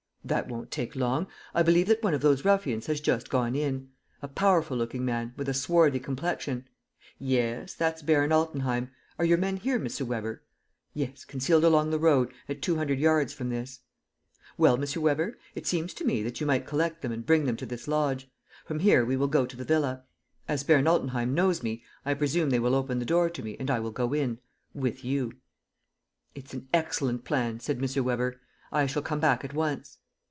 "That won't take long. I believe that one of those ruffians has just gone in; a powerful looking man, with a swarthy complexion. ..." "Yes, that's Baron Altenheim. Are your men here, M. Weber?" "Yes, concealed along the road, at two hundred yards from this." "Well, M. Weber, it seems to me that you might collect them and bring them to this lodge. From here we will go to the villa. As Baron Altenheim knows me, I presume they will open the door to me and I will go in ... with you." "It is an excellent plan," said M. Weber. "I shall come back at once."